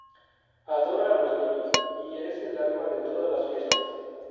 Adora a los niños y es el alma de todas las fiestas.